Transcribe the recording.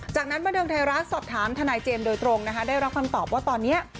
จากนั้นบันเทิงไทยรัฐสอบถามทนายเจมส์โดยตรงนะคะได้รับคำตอบว่าตอนนี้